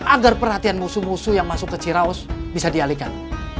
agar perhatian musuh musuh yang masuk ke ciraus bisa dialihkan